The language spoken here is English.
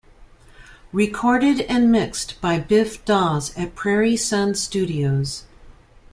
Recorded and mixed by Biff Dawes at Prairie Sun Studios.